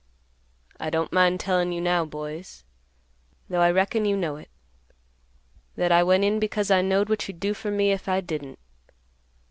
I don't mind tellin' you now, boys—though I reckon you know it—that I went in because I knowed what you'd do for me if I didn't.